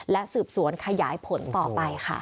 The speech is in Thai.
และสืบสวนขยายผลต่อไปค่ะ